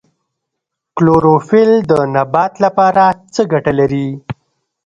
کلوروفیل د نبات لپاره څه ګټه لري